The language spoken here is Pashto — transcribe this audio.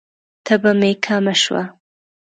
تبه می کمه شوه؟